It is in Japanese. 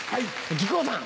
木久扇さん！